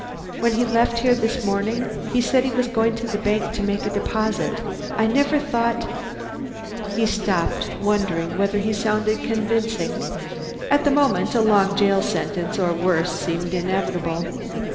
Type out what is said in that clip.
When he left here this morning, he said he was going to the bank to make a deposit. I never thought " He stopped, wondering whether he sounded convincing. At that moment a long jail sentence or worse seemed inevitable.